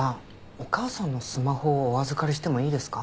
お母さんのスマホをお預かりしてもいいですか？